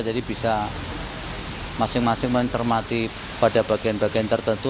jadi bisa masing masing mencermati pada bagian bagian tertentu